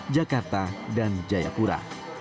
jakarta dan jayapura